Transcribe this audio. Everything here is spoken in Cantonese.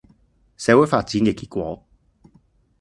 社會發展嘅結果